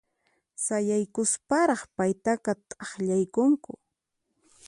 Sayaykusparaq paytaqa t'aqllaykunku.